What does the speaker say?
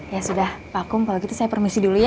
ya sudah vakum kalau gitu saya permisi dulu ya